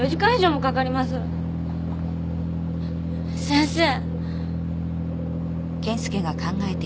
先生。